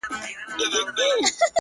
کاڼی مي د چا په لاس کي وليدی،